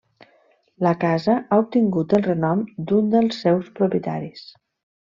La casa ha obtingut el renom d'un dels seus propietaris.